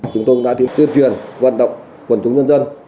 chúng tôi cũng đã tiến tuyên truyền vận động quần chúng dân dân